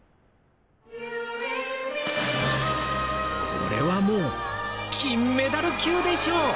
これはもう金メダル級でしょ！